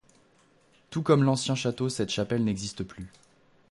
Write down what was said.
Tout comme l'ancien château cette chapelle n'existe plus.